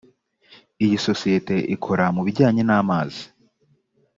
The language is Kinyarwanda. iyi sosiyete ikora mu bijyanye n’amazi